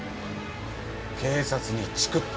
警察にチクった。